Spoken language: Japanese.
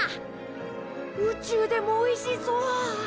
宇宙でもおいしそう！